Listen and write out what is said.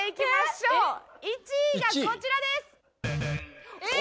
１位がこちらです！